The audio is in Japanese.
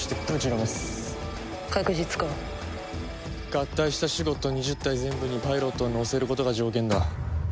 合体したシュゴッド２０体全部にパイロットを乗せることが条件だ。